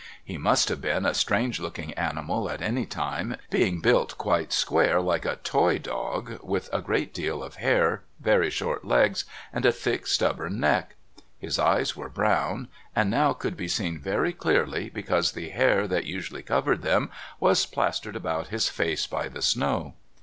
He must have been a strange looking animal at any time, being built quite square like a toy dog, with a great deal of hair, very short legs, and a thick stubborn neck; his eyes were brown, and now could be seen very clearly because the hair that usually covered them was plastered about his face by the snow.